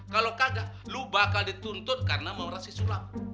kalau kagak lu bakal dituntut karena mau berhasil sulam